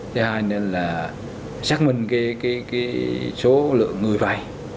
thứ hai là xác minh số lượng người vay